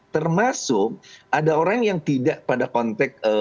termasuk ada orang yang tidak pada konteks